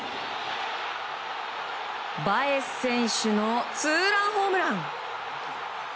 バエス選手のツーランホームラン。